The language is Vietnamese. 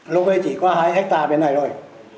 lúc ấy chỉ có hai hectare bên này rồi